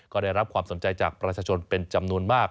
ก็ได้รับความสนใจจากประชาชนเป็นจำนวนมาก